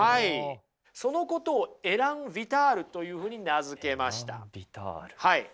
そのことをエラン・ヴィタールというふうに名付けました。